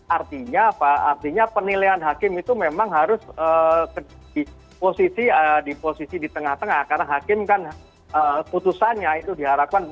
artinya apa artinya penilaian hakim itu memang harus di posisi di tengah tengah karena hakim kan putusannya itu diharapkan